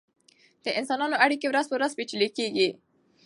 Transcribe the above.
د انسانانو اړیکې ورځ په ورځ پیچلې کیږي.